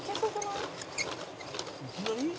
「いきなり？」